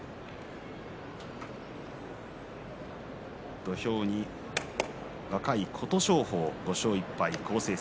土俵に若い琴勝峰５勝１敗、好成績。